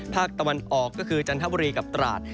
ภาคตะวันออกก็คือจันทบุรีกับตราด